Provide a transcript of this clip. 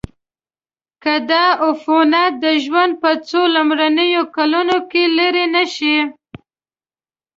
که دا عفونت د ژوند په څو لومړنیو کلونو کې لیرې نشي.